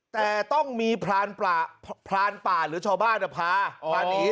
แต่ต้องมีพรานปลาพรานป่าหรือชาวบ้านภาพ